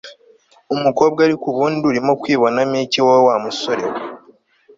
umukobwa ariko ubundi urimo kwibonamo ibiki wowe wa musore we!